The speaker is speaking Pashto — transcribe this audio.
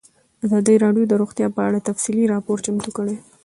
ازادي راډیو د روغتیا په اړه تفصیلي راپور چمتو کړی.